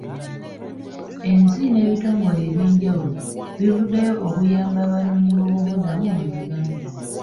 Ensi n'ebitongole eby'enjawulo bivuddeyo okuyamba abanoonyi b'obubuddamu mu Uganda.